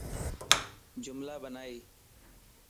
جملا بنائي